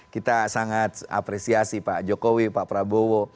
kita sangat apresiasi pak jokowi pak prabowo